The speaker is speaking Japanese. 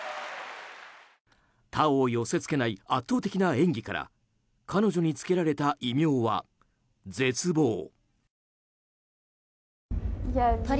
他を寄せ付けない圧倒的な演技から彼女につけられた異名は絶望。